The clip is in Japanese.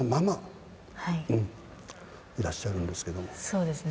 そうですね。